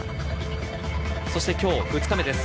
そして今日２日目です。